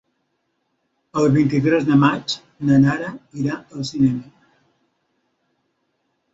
El vint-i-tres de maig na Nara irà al cinema.